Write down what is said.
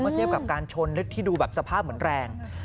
เทียบกับการชนที่ดูแบบสภาพเหมือนแรง